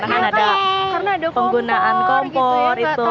karena ada penggunaan kompor gitu ya